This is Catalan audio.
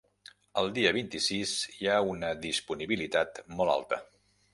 El dia vint-i-sis hi ha una disponibilitat molt alta.